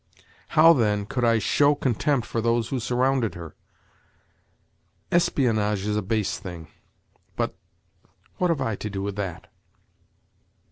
How, then, could I show contempt for those who surrounded her? Espionage is a base thing, but—what have I to do with that?